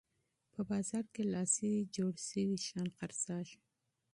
په بازار کې لاسي صنایع خرڅیږي.